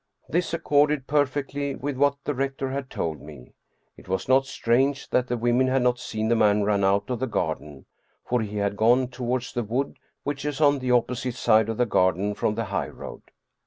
This accorded perfectly with what the rector had told me. It was not strange that the women had not seen the man run out of the garden, for he had gone toward the wood which is on the opposite side of the garden from the highroad.